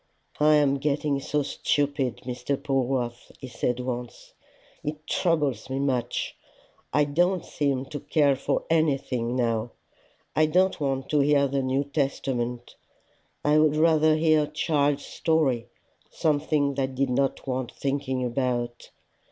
"I am getting so stupid, Mr. Polwarth!" he said once. "It troubles me much. I don't seem to care for anything now. I don't want to hear the New Testament: I would rather hear a child's story something that did not want thinking about.